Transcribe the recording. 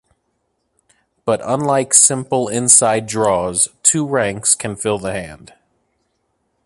But unlike simple inside draws, two ranks can fill the hand.